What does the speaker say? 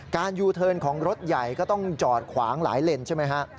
ยูเทิร์นของรถใหญ่ก็ต้องจอดขวางหลายเลนใช่ไหมฮะ